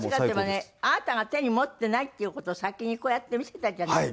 あなたが手に持ってないっていう事を先にこうやって見せたじゃない。